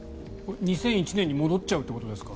２００１年に戻っちゃうということですか？